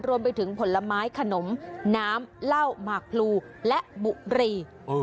รวมไปถึงผลไม้ขนมน้ำเหล้าหมากพลูและบุรี